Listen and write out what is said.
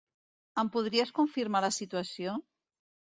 Em podries confirmar la situació?